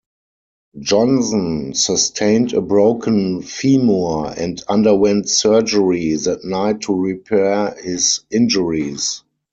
Johnson sustained a broken femur and underwent surgery that night to repair his injuries.